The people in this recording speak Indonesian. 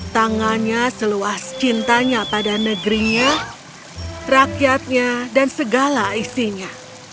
tangannya seluas cintanya pada negerinya rakyatnya dan segala isinya